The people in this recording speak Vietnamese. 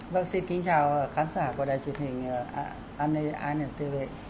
vâng xin kính chào khán giả của đài truyền hình anntv